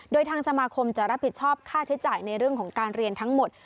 โดยทางสมาคมจะรับผิดชอบค่าใช้จ่ายในเรื่องของการเรียนทั้งหมด